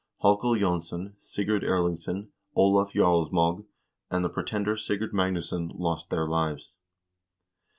Hallkel J6nsson, Sigurd Erlingsson, Olav Jarlsmaag, and the pretender Sigurd Magnusson lost their lives.